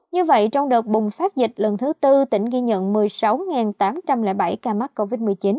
như vậy trong đợt bùng phát dịch lần thứ tư tỉnh ghi nhận một mươi sáu tám trăm linh bảy ca mắc covid một mươi chín